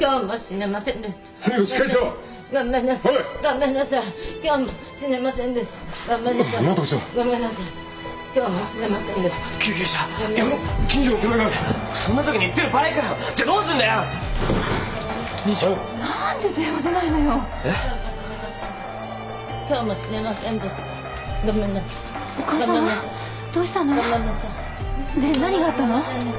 ねえ何があったの？